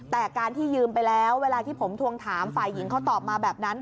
แต่การที่ยืมไปแล้วเวลาที่ผมทวงถามฝ่ายหญิงเขาตอบมาแบบนั้น